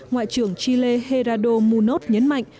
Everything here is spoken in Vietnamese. ngoại trưởng chile gerardo munoz nhấn mạnh